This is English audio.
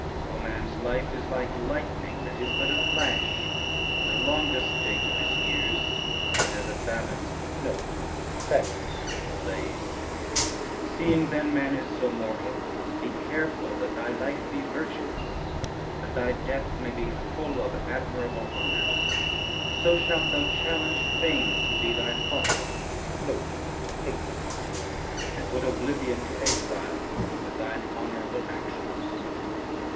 Oh, man's life is like lightning that is but a flash, and the longest date of his years but as a bavin's blaze. Seeing then man is so mortal, be careful that thy life be virtuous, that thy death may be full of admirable honors: so shalt thou challenge fame to be thy fautor, and put oblivion to exile with thine honorable actions.